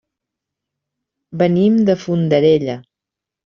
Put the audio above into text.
Venim de Fondarella.